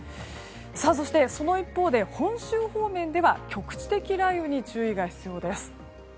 そして、その一方で本州方面では局地的雷雨に注意が必要です。